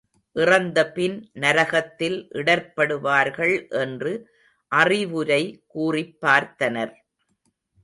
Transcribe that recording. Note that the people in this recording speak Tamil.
இறந்த பின் நரகத்தில் இடர்ப்படுவார்கள் என்று அறிவுரை கூறிப் பார்த்தனர்.